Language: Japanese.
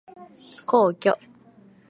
皇居